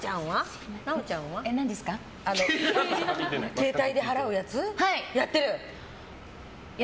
携帯で払うやつやってる？